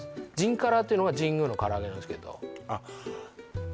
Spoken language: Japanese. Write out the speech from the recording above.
カラっていうのが神宮の唐揚げなんですけどあっ